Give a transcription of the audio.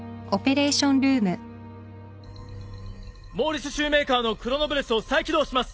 モーリスシューメーカーのクロノブレスを再起動します。